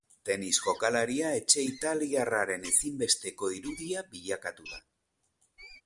Tenis jokalaria etxe italiarraren ezinbesteko irudia bilakatu da.